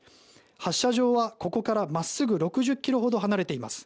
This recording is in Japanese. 発射場はここから真っすぐ６０ｋｍほど離れています。